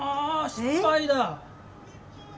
失敗だ！